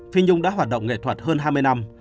phi nhung đã hoạt động nghệ thuật hơn hai mươi năm